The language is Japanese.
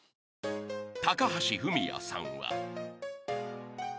［高橋文哉さんは］